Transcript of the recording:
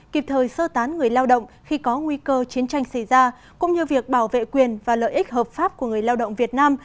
kịp thời sơ tán người lao động khi có nguy cơ chiến tranh xảy ra cũng như việc bảo vệ quyền và lợi ích hợp pháp của người lao động việt nam